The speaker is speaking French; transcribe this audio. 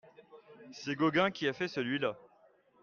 C'est Gauguin qui a fait celui-là...